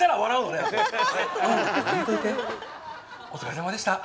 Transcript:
お疲れさまでした。